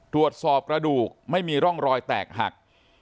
ตรวจสอบกระดูกไม่มีร่องรอยแตกหัก